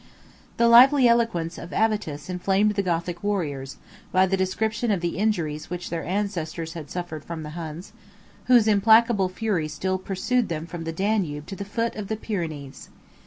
The lively eloquence of Avitus inflamed the Gothic warriors, by the description of the injuries which their ancestors had suffered from the Huns; whose implacable fury still pursued them from the Danube to the foot of the Pyrenees.